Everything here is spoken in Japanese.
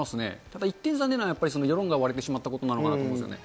ただ一点残念なのは、世論が割れてしまったことなのかなと思うんですよね。